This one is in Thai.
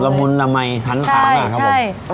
ละหมุนระมัยถันขางมากครับผมใช่